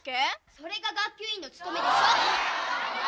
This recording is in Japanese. それが学級委員の務めでしょ